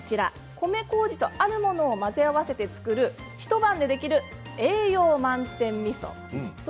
米こうじとあるものを混ぜ合わせて造る一晩でできる、栄養満点みそです。